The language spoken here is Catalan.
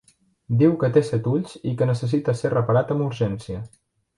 Diu que té set ulls i que necessita ser reparat amb urgència.